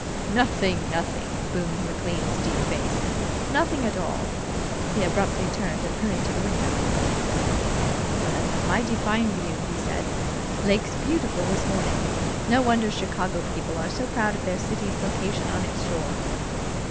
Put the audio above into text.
"Nothing, nothing!" boomed McLean's deep bass; "nothing at all!" He abruptly turned, and hurried to the window. "This is a mighty fine view," he said. "Lake's beautiful this morning. No wonder Chicago people are so proud of their city's location on its shore.